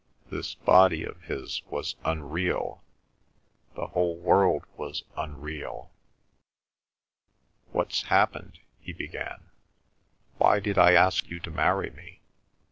This body of his was unreal; the whole world was unreal. "What's happened?" he began. "Why did I ask you to marry me?